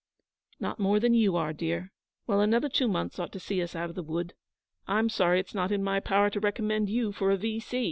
'Not more than you are, dear. Well, another two months ought to see us out of the wood. I'm sorry it's not in my power to recommend you for a V.